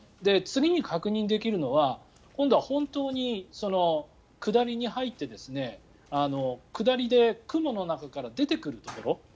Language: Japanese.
次に確認できるのは今度は本当に下りに入って下りで雲の中から出てくるところ